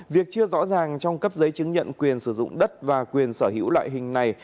việc chưa rõ ràng trong cấp giấy chứng nhận quyền sử dụng đất và quyền sở hữu loại hình này